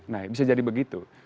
nah bisa jadi begitu